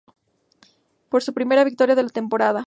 Fue su primera victoria de la temporada.